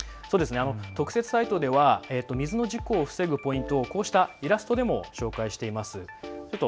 特設サイトでは水の事故を防ぐポイントをこうしたイラストでも紹介しています。